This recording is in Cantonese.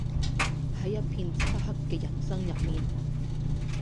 喺一片漆黑嘅人生入面